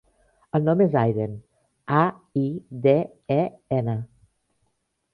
El nom és Aiden: a, i, de, e, ena.